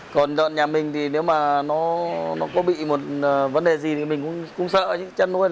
còn lợn nhà mình thì nếu mà nó có bị một vấn đề gì thì mình cũng sợ chứ